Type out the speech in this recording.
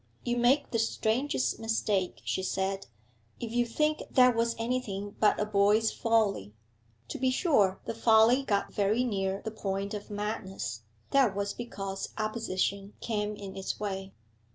'You make the strangest mistake,' she said, 'if you think that was anything but a boy's folly. To be sure the folly got very near the point of madness that was because opposition came in its way.